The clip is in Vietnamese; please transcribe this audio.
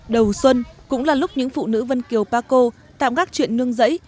đầu xuân cũng là lúc những phụ nữ vân kiều pa co tạm gác chuyện nương dẫy